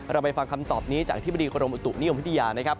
ไปฟังคำตอบนี้จากอธิบดีกรมอุตุนิยมวิทยานะครับ